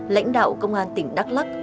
lãnh đạo công an tỉnh đắk lắc